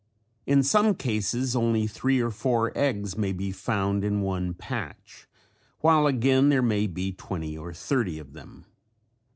In some cases only three or four eggs may be found in one patch while again there may be twenty or thirty of them.